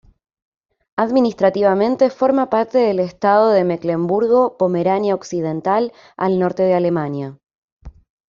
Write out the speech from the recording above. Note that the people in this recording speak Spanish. Administrativamente forma parte del estado de Mecklemburgo-Pomerania Occidental al norte de Alemania.